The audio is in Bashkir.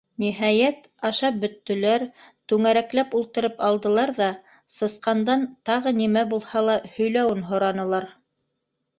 Ниһайәт, ашап бөттөләр, түңәрәкләп ултырып алдылар ҙа Сысҡандан тағы нимә булһа ла һөйләүен һоранылар.